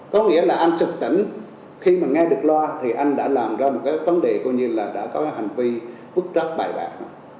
có nghĩa là anh sực tỉnh khi mà nghe được loa thì anh đã làm ra một cái vấn đề coi như là đã có hành vi bức rắc bài bạc